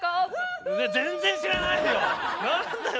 全然知らないよ！